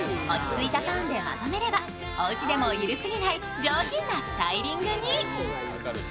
落ち着いたトーンでまとめればおうちでも緩すぎない上品なスタイリングに。